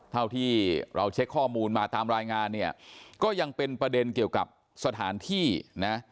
เท่าที่เราเช็คข้อมูลมาตามรายงานเนี่ยก็ยังเป็นประเด็นเกี่ยวกับสถานที่นะ